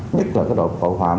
nhất là cái đội tội phạm